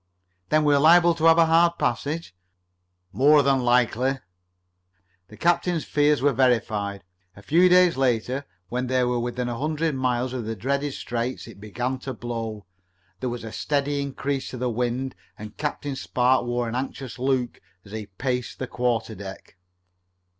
"Then we're liable to have a hard passage?" "More than likely." The captain's fears were verified. A few days later, when they were within a hundred miles of the dreaded Straits, it began to blow. There was a steady increase to the wind, and Captain Spark wore an anxious look as he paced the quarterdeck.